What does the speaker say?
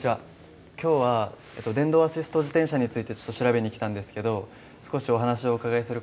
今日は電動アシスト自転車について調べに来たんですけど少しお話をお伺いする事はできますか？